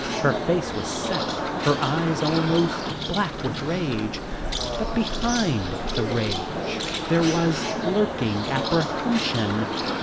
Her face was set, her eyes almost black with rage, but behind the rage there was lurking apprehension.